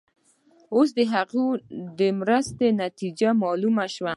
اوس د هغې مرستې نتیجه معلومه شوه.